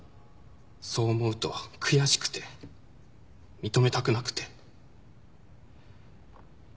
そう思うと悔しくて認めたくなくて。